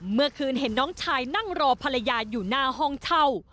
เมื่อคืนเห็นน้องชายนั่งรอภรรยาอยู่หน้าห้องเช่า